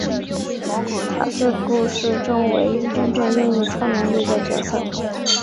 他是故事中唯一真正拥有超能力的角色。